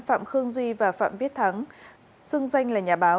phạm khương duy và phạm viết thắng xưng danh là nhà báo